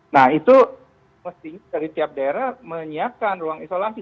nah itu mestinya dari tiap daerah menyiapkan ruang isolasi